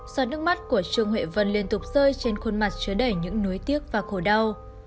giọt nước mắt của trương huệ vân liên tục rơi trên khuôn mặt chứa đẩy những nuối tiếc và khổ đau